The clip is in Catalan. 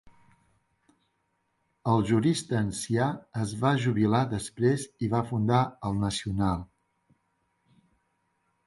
El jurista ancià es va jubilar desprès i va fundar "El Nacional".